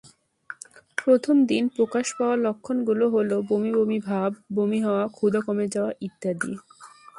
প্রথম দিন প্রকাশ পাওয়া লক্ষণগুলো হল বমি বমি ভাব, বমি হওয়া, ক্ষুধা কমে যাওয়া ইত্যাদি।